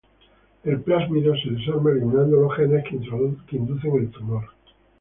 El plásmido se desarma eliminando los genes que inducen el tumor.